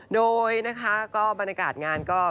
โดยนะคะก็บรรยากาศงานก็